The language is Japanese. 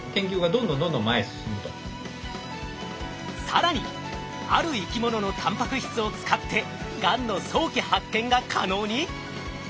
更にある生き物のタンパク質を使ってがんの早期発見が可能に！？